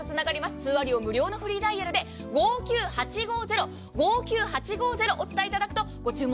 通話料無料のフリーダイヤルで５９８５０とお伝えいただくとご注文